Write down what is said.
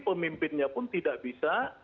pemimpinnya pun tidak bisa